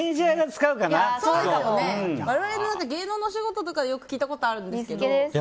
芸能のお仕事とかでよく聞いたことはあるんですけど。